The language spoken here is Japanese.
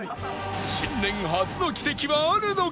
新年初の奇跡はあるのか？